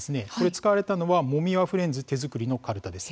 使われたのはもみわフレンズ手作りのかるたです。